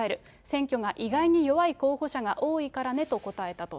選挙が以外に弱い候補者が多いからねと答えたと。